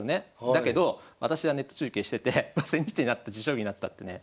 だけど私はネット中継してて千日手になった持将棋になったってね